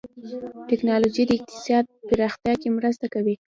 ټکنالوجي د اقتصاد پراختیا کې مرسته کوي.